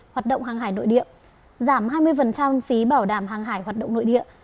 hoạt động hàng hải nội địa giảm hai mươi phí bảo đảm hàng hải hoạt động nội địa